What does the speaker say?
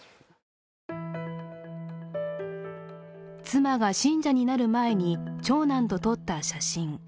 妻が信者になる前に、長男と撮った写真。